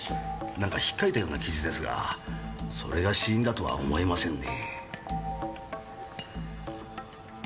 なんか引っ掻いたような傷ですがそれが死因だとは思えませんね。